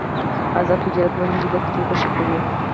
آزاد تجارت مهم دی ځکه چې اوبه ښه کوي.